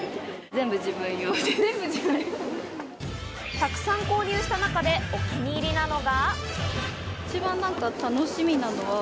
たくさん購入した中で、お気に入りなのが。